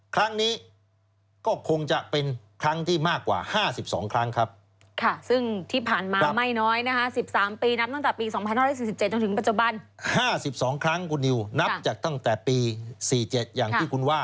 ๕๒ครั้งคุณนิวนับแบบจากตั้งแต่ปี๔๗อย่างที่คุณว่า